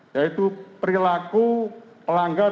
yaitu perilaku pelanggar